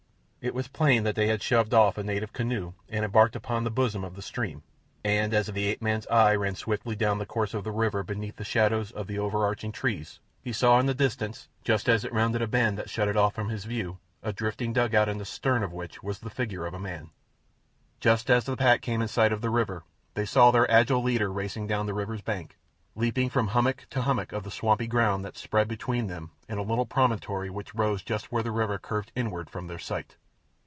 It was plain that they had shoved off a native canoe and embarked upon the bosom of the stream, and as the ape man's eye ran swiftly down the course of the river beneath the shadows of the overarching trees he saw in the distance, just as it rounded a bend that shut it off from his view, a drifting dugout in the stern of which was the figure of a man. Just as the pack came in sight of the river they saw their agile leader racing down the river's bank, leaping from hummock to hummock of the swampy ground that spread between them and a little promontory which rose just where the river curved inward from their sight.